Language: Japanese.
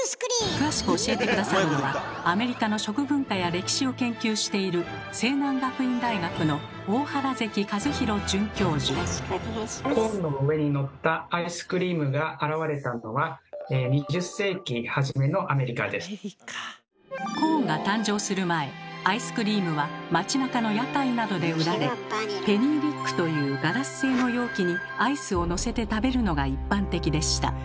詳しく教えて下さるのはアメリカの食文化や歴史を研究しているコーンの上にのったアイスクリームが現れたのはコーンが誕生する前アイスクリームは街なかの屋台などで売られ「ペニーリック」というガラス製の容器にアイスをのせて食べるのが一般的でした。